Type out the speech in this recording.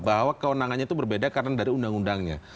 bahwa kewenangannya itu berbeda karena dari undang undangnya